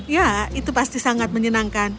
ya itu pasti sangat menyenangkan